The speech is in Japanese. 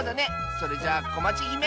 それじゃあこまちひめ。